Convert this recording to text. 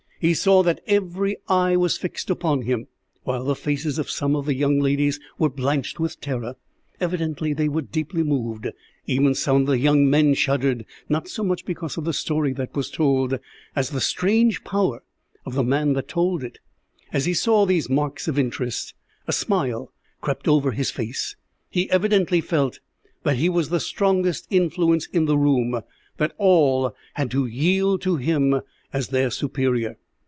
He saw that every eye was fixed upon him, while the faces of some of the young ladies were blanched with terror. Evidently they were deeply moved. Even some of the young men shuddered, not so much because of the story that was told, as the strange power of the man that told it. As he saw these marks of interest, a smile crept over his face. He evidently felt that he was the strongest influence in the room that all had to yield to him as their superior.